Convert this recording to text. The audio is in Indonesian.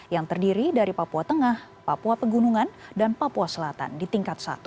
yang terdiri dari papua tengah papua pegunungan dan papua selatan di tingkat satu